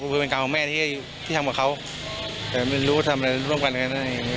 คือเป็นการของแม่ที่ทำกับเขาแต่ไม่รู้ทำอะไรร่วมกันก็ได้